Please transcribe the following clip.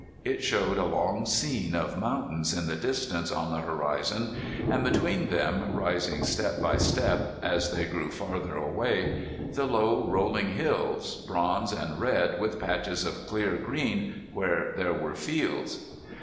It showed a long scene of mountains in the distance on the horizon, and between them, rising step by step as they grew farther away, the low rolling hills, bronze and red with patches of clear green where there were fields.